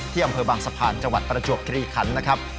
อำเภอบางสะพานจังหวัดประจวบคลีขันนะครับ